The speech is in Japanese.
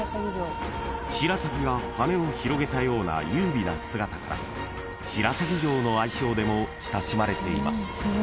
［シラサギが羽を広げたような優美な姿から白鷺城の愛称でも親しまれています］